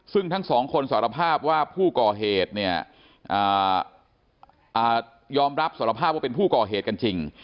ซึ่งทั้งสองคนสารภาพว่าผู้ก่อเหตุเนี่ยยอมรับสารภาพว่าเป็นผู้ก่อเหตุกันจริง